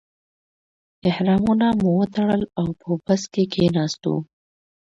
احرامونه مو وتړل او په بس کې کیناستو.